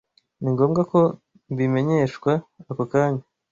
Ni ngombwa ko mbimenyeshwa ako kanya.